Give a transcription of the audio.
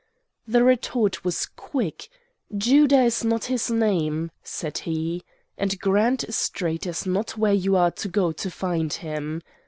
The retort was quick, 'Judah is not his name,' said he, 'and Grand Street is not where you are to go to find him.